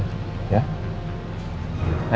tinggal diawasi aja ya